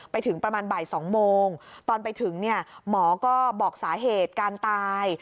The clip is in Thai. ไปถึงประมาณบ่าย๒โมงตอนไปถึงเนี่ยหมอก็บอกสาเหตุการตาย